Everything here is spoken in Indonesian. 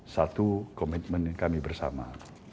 satu komitmen kami bersama